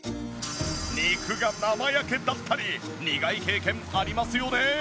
肉が生焼けだったり苦い経験ありますよね？